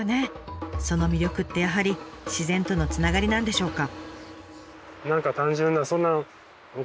その魅力ってやはり自然とのつながりなんでしょうか？